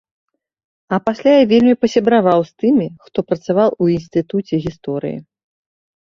А пасля я вельмі пасябраваў з тымі, хто працаваў у інстытуце гісторыі.